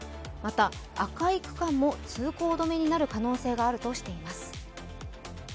また、赤い区間も通行止めになる可能性があるとしています。